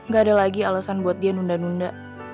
gak ada lagi alasan buat dia nunda nunda